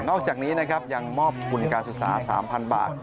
อกจากนี้นะครับยังมอบทุนการศึกษา๓๐๐บาท